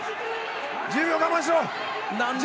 １０秒我慢しろ。